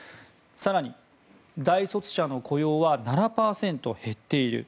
更に、大卒者の雇用は７％減っている。